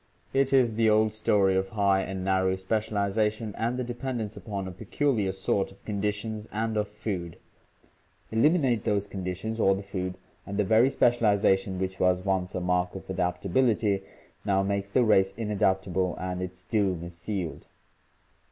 It is the old story of high and narrow spe cialization and the dependence upon a peculiar sort of conditions and of food — eliminate those conditions or the food and the very specialization which was once a mark of adaptability now makes the race inadaptable and its doom is sealed.